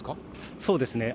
そうですね。